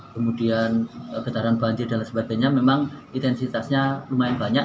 kemudian getaran banjir dan sebagainya memang intensitasnya lumayan banyak